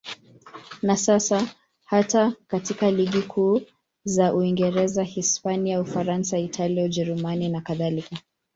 Na sasa hata katika ligi kuu za Uingereza, Hispania, Ufaransa, Italia, Ujerumani nakadhalika.